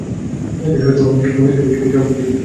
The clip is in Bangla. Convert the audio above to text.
কিচ্ছু না, পিবি।